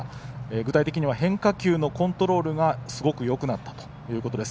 具体的には変化球のコントロールがすごくよくなったということです。